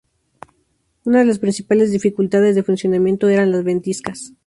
Una de las principales dificultades de funcionamiento eran las ventiscas.